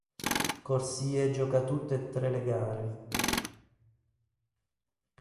Corsie gioca tutte e tre le gare.